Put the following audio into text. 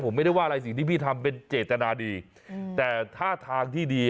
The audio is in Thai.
ผมไม่ได้ว่าอะไรสิ่งที่พี่ทำเป็นเจตนาดีแต่ท่าทางที่ดี